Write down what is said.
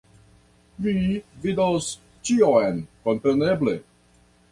Vi vidos ĉion, kompreneble